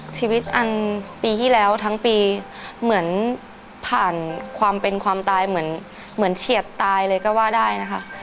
ชีวิตอันปีที่แล้วทั้งปีเหมือนผ่านความเป็นความตายเหมือนเฉียดตายเลยก็ว่าได้นะคะ